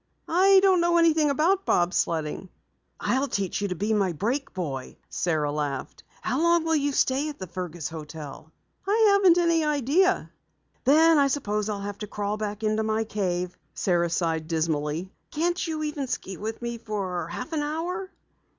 "I don't know anything about bob sledding." "I'll teach you to be my brake boy," Sara laughed. "How long will you stay at the Fergus hotel?" "I haven't any idea." "Then I suppose I'll have to crawl back into my cave," Sara sighed dismally. "Can't you even ski with me for half an hour?"